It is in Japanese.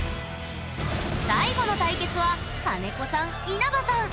最後の対決は金子さん稲場さん。